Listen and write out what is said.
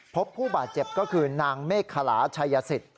พบผู้บาดเจ็บก็คือนางเมฆขลาชัยสิทธิ